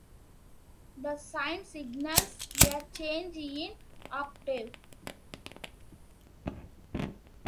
The sign signals a change in octave.